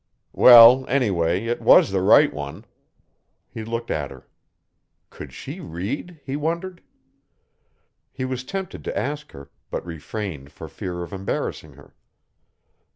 "Well anyway it was the right one." He looked at her. Could she read? he wondered. He was tempted to ask her, but refrained for fear of embarrassing her.